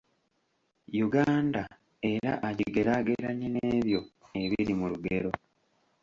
Uganda era agigeraageranye n’ebyo ebiri mu lugero.